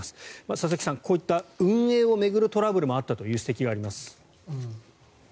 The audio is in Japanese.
佐々木さん、こういった運営を巡るトラブルもあったという指摘があります。